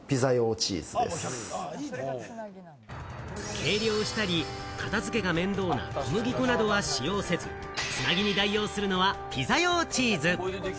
計量したり、片付けが面倒な小麦粉などは使用せず、つなぎに代用するのはピザ用チーズ。